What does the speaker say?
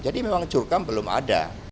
jadi memang jurukamp belum ada